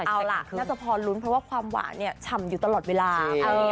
เอาล่ะน่าจะพอลุ้นเพราะว่าความหวานเนี่ยฉ่ำอยู่ตลอดเวลา